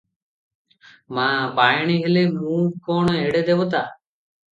"ମା, ବାୟାଣୀ ହେଲ, ମୁଁ କଣ ଏଡ଼େ ଦେବତା?